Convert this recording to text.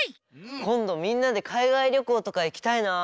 こんどみんなで海外りょこうとかいきたいなあ。